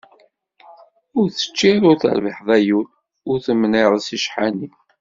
Ur teččiḍ, ur terbiḥeḍ ay ul, ur temniɛeḍ seg ccḥani.